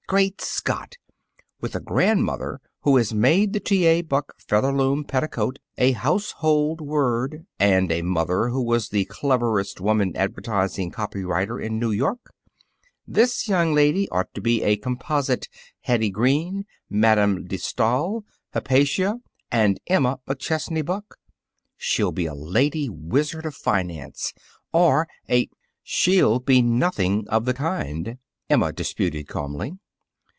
"Great Scott! With a grandmother who has made the T. A. Buck Featherloom Petticoat a household word, and a mother who was the cleverest woman advertising copy writer in New York, this young lady ought to be a composite Hetty Green, Madame de Stael, Hypatia, and Emma McChesney Buck. She'll be a lady wizard of finance or a " "She'll be nothing of the kind," Emma disputed calmly.